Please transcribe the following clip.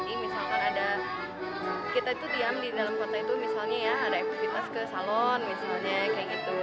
jadi misalkan ada kita itu diam di dalam kota itu misalnya ya ada aktivitas ke salon misalnya kayak gitu